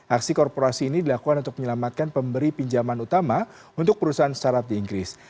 aksi korporasi ini dilakukan untuk menyelamatkan pemberi pinjaman utama untuk perusahaan startup di inggris